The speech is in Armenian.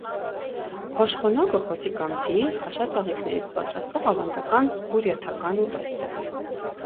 Հոշխոնոգը խոզի կամ ձիի խաշած աղիքներից պատրաստվող ավանդական բուրյաթական ուտեստ է։